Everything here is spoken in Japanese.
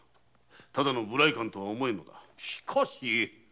ただの無頼漢とは思えぬ。